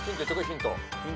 ヒント。